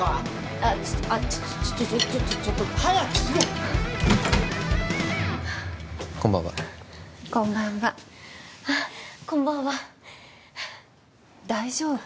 あっちょっとあっちょっちょっ早くしろこんばんはこんばんはあっこんばんは大丈夫？